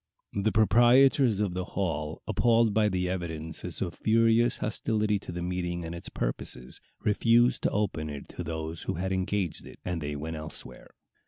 The proprietors of the hall, appalled by the evidences of furious hostility to the meeting and its purposes, refused to open it to those who had engaged it, and they went elsewhere.